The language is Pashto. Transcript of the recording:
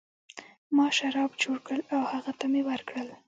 ما شراب جوړ کړل او هغه ته مې ورکړل.